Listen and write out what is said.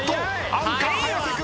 アンカー早瀬君